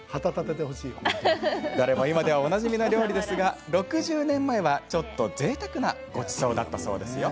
どれも今ではおなじみの料理ですが６０年前は、ちょっとぜいたくなごちそうだったそうですよ。